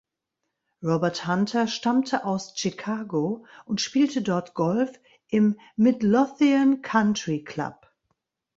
Robert Hunter stammte aus Chicago und spielte dort Golf im "Midlothian Country Club".